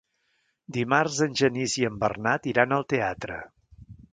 Dimarts en Genís i en Bernat iran al teatre.